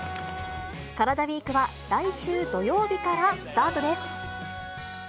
カラダＷＥＥＫは来週土曜日からスタートです。